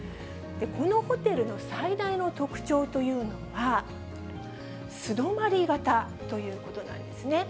このホテルの最大の特徴というのが、素泊まり型ということなんですね。